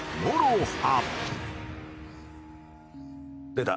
「出た」